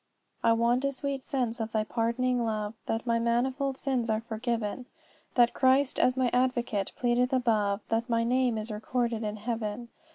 "'I want a sweet sense of Thy pardoning love, That my manifold sins are forgiven; That Christ, as my Advocate, pleadeth above, That my name is recorded in heaven.